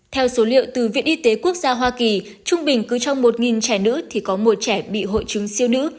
theo số liệu từ viện y tế quốc gia hoa kỳ trung bình cứ trong một trẻ nữ thì có một trẻ bị hội chứng siêu nữ